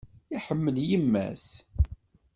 Iḥemmel yemma-s.